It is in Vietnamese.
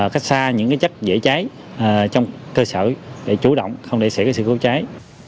cách xa những chất dễ cháy trong cơ sở để chủ động không để xảy ra sự cố cháy